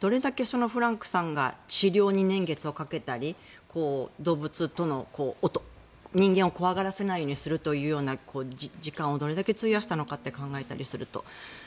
どれだけフランクさんが治療に年月をかけたり動物との人間を怖がらせないようにするという時間をどれだけ費やしたのかって考えたりすると。